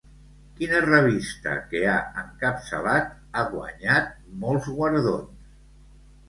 Quina revista que ha encapçalat ha guanyat molts guardons?